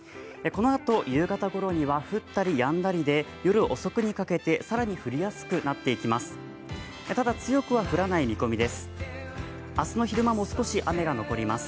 このあと夕方ごろには降ったりやんだりで、夜遅くにかけて更に降りやすくなってきます。